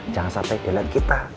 jangan sampai dia lihat kita